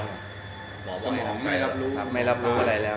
สมองไม่รับรู้อะไรแล้ว